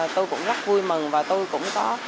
tôi cũng rất vui mừng và tôi cũng có